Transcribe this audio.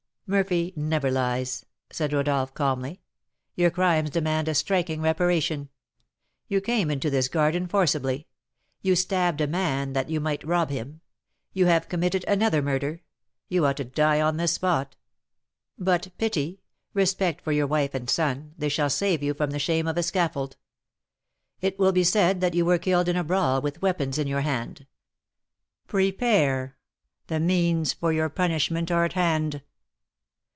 "Murphy never lies," said Rodolph, calmly. "Your crimes demand a striking reparation. You came into this garden forcibly; you stabbed a man that you might rob him; you have committed another murder; you ought to die on this spot; but pity, respect for your wife and son, they shall save you from the shame of a scaffold. It will be said that you were killed in a brawl with weapons in your hand. Prepare, the means for your punishment are at hand."